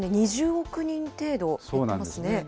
２０億人程度減ってますね。